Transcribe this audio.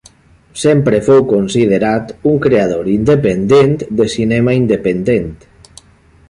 Sempre fou considerat un creador independent de cinema independent.